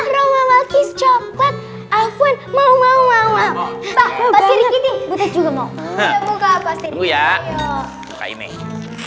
roma malkis coklat alvan mau mau mau mau pasir ini juga mau buka pasir ya